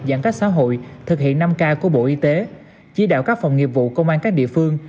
giãn cách xã hội thực hiện năm k của bộ y tế chỉ đạo các phòng nghiệp vụ công an các địa phương